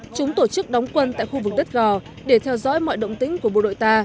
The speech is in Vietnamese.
chúng tổ chức đóng quân tại khu vực đất gò để theo dõi mọi động tính của bộ đội ta